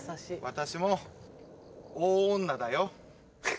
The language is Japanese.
私も大女だよ。